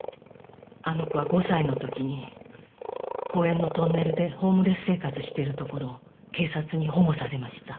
あの子は５歳のときに公園のトンネルでホームレス生活してるところを警察に保護されました。